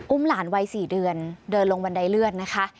หลานวัย๔เดือนเดินลงบันไดเลื่อนนะคะ